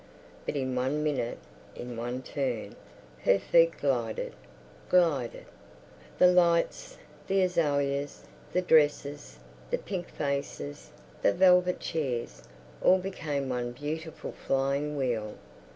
But in one minute, in one turn, her feet glided, glided. The lights, the azaleas, the dresses, the pink faces, the velvet chairs, all became one beautiful flying wheel.